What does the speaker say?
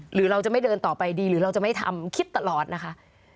หรือเราจะไม่เดินต่อไปดีหรือเราจะไม่ทำคิดตลอดนะคะ